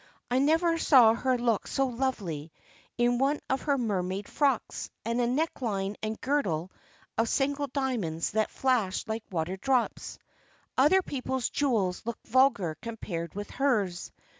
"I never saw her look so lovely, in one of her mermaid frocks, and a necklace and girdle of single diamonds that flashed like water drops. Other people's jewels looked vulgar compared with hers.